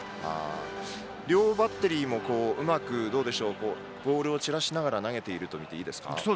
両バッテリーもうまくボールを散らしながら投げていると見ていいですか？